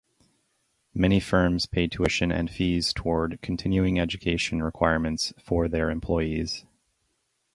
Many firms pay tuition and fees toward continuing education requirements for their employees.